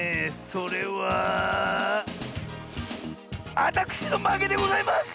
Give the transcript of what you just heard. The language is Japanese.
それはあたくしのまけでございます！